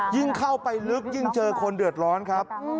ยิ่งเข้าไปลึกยิ่งเจอคนเดือดร้อนครับ